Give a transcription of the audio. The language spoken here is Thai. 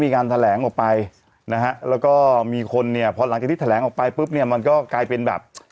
ก็มีคนเนี่ยพอหลังจากที่แถลงออกไปปุ๊บเนี่ยมันก็กลายเป็นแบบ